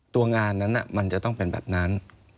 ตัวงานนั้นมันจะต้องเป็นแบบนั้น